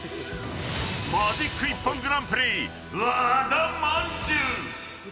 マジック一本グランプリ和田まんじゅう。